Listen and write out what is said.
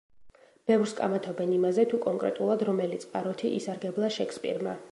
ბევრს კამათობენ იმაზე, თუ კონკრეტულად რომელი წყაროთი ისარგებლა შექსპირმა.